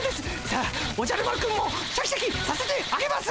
さあおじゃる丸くんもシャキシャキさせてあげます